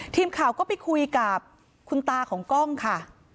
ทีมข่าวก็ไปคุยกับคุณตาของกล้องค่ะ